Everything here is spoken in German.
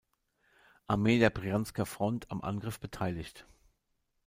Armee der Brjansker Front am Angriff beteiligt.